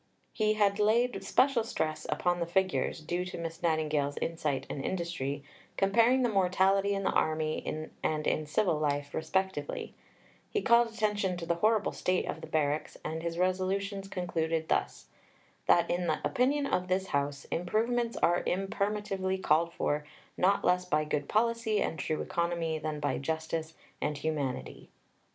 He had laid special stress upon the figures, due to Miss Nightingale's insight and industry, comparing the mortality in the Army and in civil life respectively; he called attention to the horrible state of the Barracks, and his Resolutions concluded thus: "That in the opinion of this House, improvements are imperatively called for not less by good policy and true economy, than by justice and humanity."